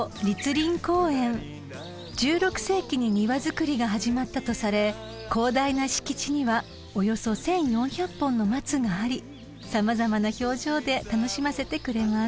［１６世紀に庭造りが始まったとされ広大な敷地にはおよそ１，４００本の松があり様々な表情で楽しませてくれます］